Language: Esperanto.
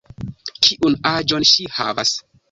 Kiun aĝon ŝi havas?